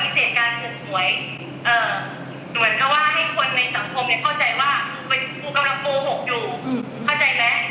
เสร็จการถูกหวยเหมือนกับว่าให้คนในสังคมเข้าใจว่าครูกำลังโกหกอยู่เข้าใจไหม